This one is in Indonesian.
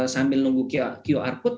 sambil nunggu qr code